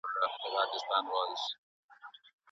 د فراغت سند بې له ځنډه نه پیلیږي.